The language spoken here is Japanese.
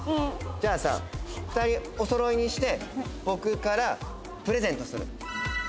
じゃあさ２人お揃いにして僕からプレゼントする。